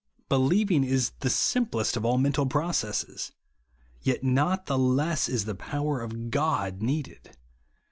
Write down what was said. Believing is the simplest of all mental processes 5 yet not the less is the power of God needed.